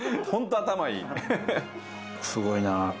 すごいなあ。